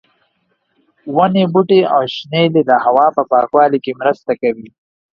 ونې، بوټي او شنېلی د هوا په پاکوالي کې مرسته کوي.